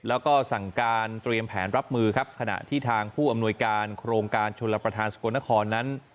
แล้วก็สั่งการเตรียมแผนรับมือครับขณะที่ทางผู้อำนวยการโครงการชนรับประทานสกลนครนั้น